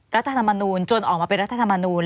รัฐธรรมนูลจนออกมาเป็นรัฐธรรมนูล